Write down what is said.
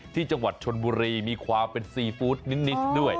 ที่จังหวัดชนบุรีมีความเป็นซีฟู้ดนิดด้วย